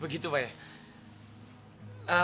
begitu pak ya